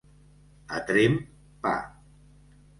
A Tremp, pa.